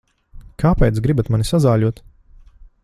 Kāpēc gribat mani sazāļot?